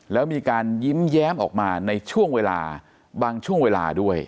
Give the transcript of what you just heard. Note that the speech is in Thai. แล้วมีการยิ้มแย้มออกมาในช่วงเวลาบางช่วงเวลาด้วย